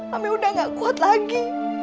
tapi udah gak kuat lagi